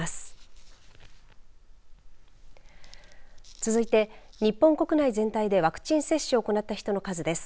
続いて日本国内全体でワクチン接種を行った人の数です。